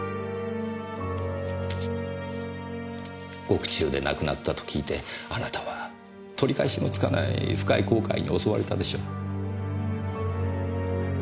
獄中で亡くなったと聞いてあなたは取り返しのつかない深い後悔に襲われたでしょう。